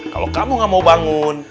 kalau kamu gak mau bangun